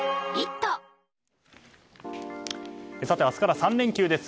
さて明日から３連休です。